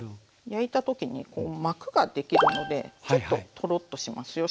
焼いた時に膜ができるのでちょっとトロッとしますよ。